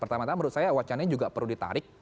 pertama tama menurut saya wacana nya juga perlu ditarik